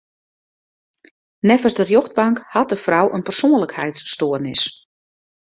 Neffens de rjochtbank hat de frou in persoanlikheidsstoarnis.